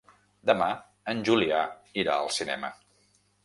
Demà en Julià irà al cinema.